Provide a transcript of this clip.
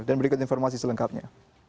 dan berikut informasi selengkapnya